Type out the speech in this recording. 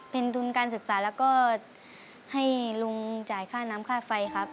เป็นทุนการศึกษาแล้วก็ให้ลุงจ่ายค่าน้ำค่าไฟครับ